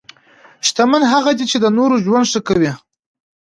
شتمن هغه دی چې د نورو ژوند ښه کوي.